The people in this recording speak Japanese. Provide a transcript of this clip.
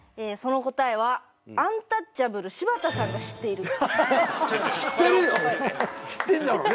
その答えはアンタッチャブル柴田さんが知っている知ってるよ！